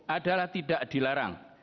adalah tidak dilarang